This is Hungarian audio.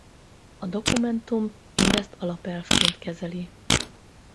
A dokumentum mindezt alapelvként kezeli.